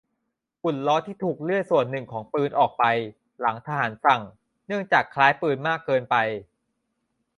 หุ่นล้อที่ถูกเลื่อยส่วนหนึ่งของปืนออกไป หลังทหารสั่ง เนื่องจากคล้ายปืนเกินไป